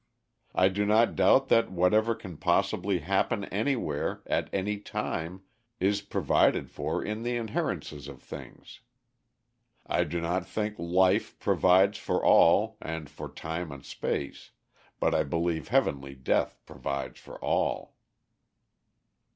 I do not doubt that whatever can possibly happen anywhere, at any time, is provided for in the inherences of things. I do not think Life provides for all, and for Time and Space, but I believe Heavenly Death provides for all."